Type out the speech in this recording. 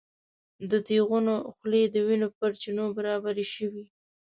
د تیغونو خولې د وینو پر چینو برابرې شوې.